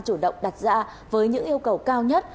chủ động đặt ra với những yêu cầu cao nhất